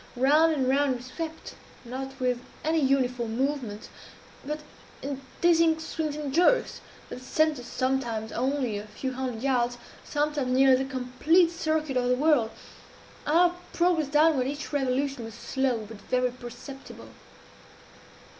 Round and round we swept not with any uniform movement but in dizzying swings and jerks, that sent us sometimes only a few hundred yards sometimes nearly the complete circuit of the whirl. Our progress downward, at each revolution, was slow, but very perceptible.